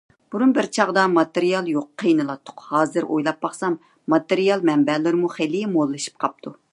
بۇرۇن بىر چاغدا ماتېرىيال يوق قىينىلاتتۇق. ھازىر ئويلاپ باقسام ماتېرىيال مەنبەلىرىمۇ خېلى موللىشىپ قاپتۇ.